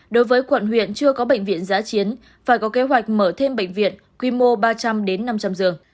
đối với quận huyện chưa có bệnh viện giá chiến phải có kế hoạch mở thêm bệnh viện quy mô ba trăm linh năm trăm linh giường